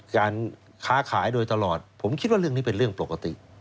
การค้าขายโดยตลอดผมคิดว่าเรื่องนี้เป็นเรื่องปกติ